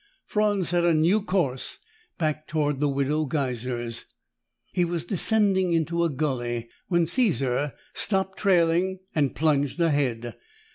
Franz set a new course, back toward the Widow Geiser's. He was descending into a gulley when Caesar stopped trailing and plunged ahead.